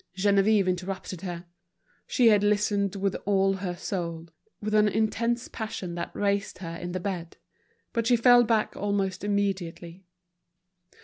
Geneviève interrupted her. She had listened with all her soul, with an intense passion that raised her in the bed. But she fell back almost immediately.